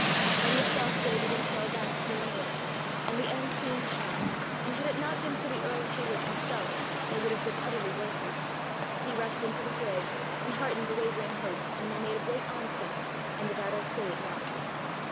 Then the Scots wavered and fell back still more and the end seemed come and had it not been for the Earl of Hawick himself, they would have been utterly worsted. He rushed into the fray and heartened the wavering host and they made a great onset and the battle stayed not.